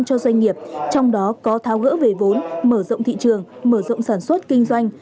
cho doanh nghiệp trong đó có tháo gỡ về vốn mở rộng thị trường mở rộng sản xuất kinh doanh